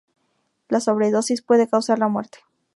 La sobredosis puede causar la muerte.